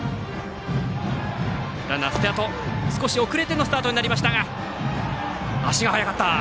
ランナー、少し遅れてのスタートになりましたが足が速かった！